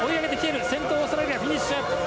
先頭、オーストラリアがフィニッシュ。